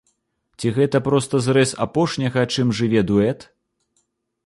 Ці гэта проста зрэз апошняга, чым жыве дуэт?